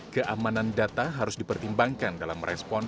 keamanan data harus dipertimbangkan dalam merespon